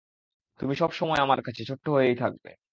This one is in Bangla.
তুমি সব সময় আমার কাছে ছোট্ট হয়েই থাকবে।